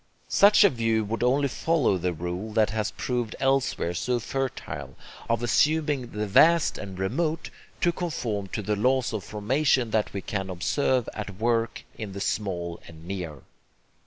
Such a view would only follow the rule that has proved elsewhere so fertile, of assuming the vast and remote to conform to the laws of formation that we can observe at work in the small and near.